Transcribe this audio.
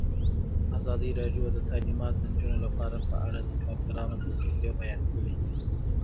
ازادي راډیو د تعلیمات د نجونو لپاره په اړه د کارګرانو تجربې بیان کړي.